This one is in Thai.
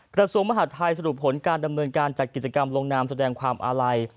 กระทรวงมหาดไทยสรุปผลการดำเนินการจัดกิจกรรมลงนามแสดงความอาลัย